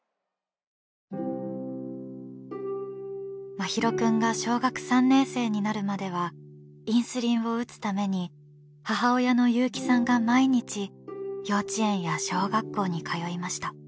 真浩くんが小学３年生になるまではインスリンを打つために母親の優季さんが毎日幼稚園や小学校に通いました。